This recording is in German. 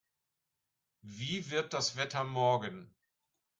Wie wird das Wetter morgen?